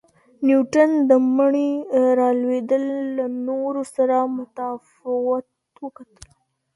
نیوټن د مڼې را لویدل له نورو سره متفاوت وکتل.